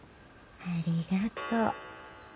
ありがとう。